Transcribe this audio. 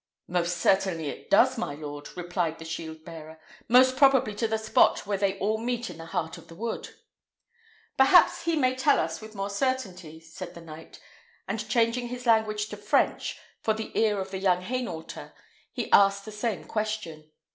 "Most certainly it does, my lord," replied the shield bearer: "most probably to the spot where they all meet in the heart of the wood." "Perhaps he may tell us with more certainty," said the knight; and changing his language to French, for the ear of the young Hainaulter, he asked the same question.